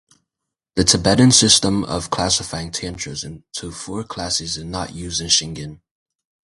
The Tibetan system of classifying tantras into four classes is not used in Shingon.